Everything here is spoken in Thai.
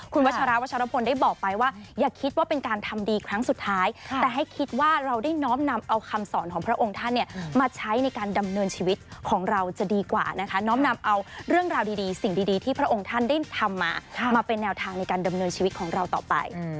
ก็ปีนี้หวังว่าจะได้มีโอกาสตรงนี้ครับ